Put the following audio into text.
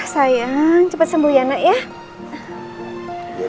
sayang cepat sembuh ya nak ya